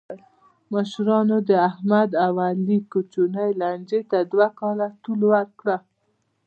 مشرانو د احمد او علي کوچنۍ لانجې ته دوه کاله طول ورکړ.